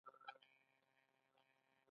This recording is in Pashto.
مصنوعي ځیرکتیا د عامه نظر جوړښت اغېزمنوي.